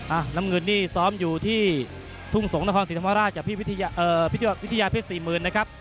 อ่ะน้ำเงินนี่ซ้อมอยู่ที่ทุ่งสงฆ์นครสิทธิ์ธรรมราชและพิวิทยาเพศ๔๐๐๐๐นะครับ